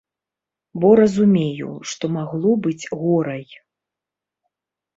Бо разумею, што магло быць горай.